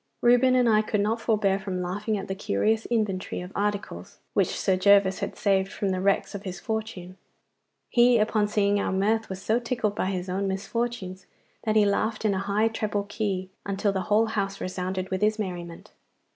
Reuben and I could not forbear from laughing at the curious inventory of articles which Sir Gervas had saved from the wreck of his fortunes. He upon seeing our mirth was so tickled at his own misfortunes, that he laughed in a high treble key until the whole house resounded with his merriment.